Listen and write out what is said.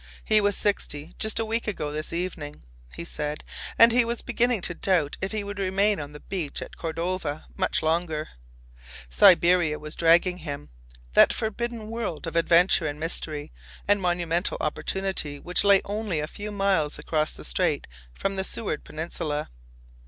He was sixty just a week ago this evening, he said, and he was beginning to doubt if he would remain on the beach at Cordova much longer. Siberia was dragging him—that forbidden world of adventure and mystery and monumental opportunity which lay only a few miles across the strait from the Seward Peninsula.